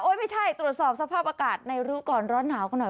ไม่ใช่ตรวจสอบสภาพอากาศในรู้ก่อนร้อนหนาวกันหน่อย